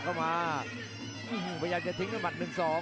เข้ามาไปอยากจะทิ้งให้มัน๑๒